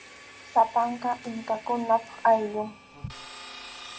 Sapanka inkakunap ayllun.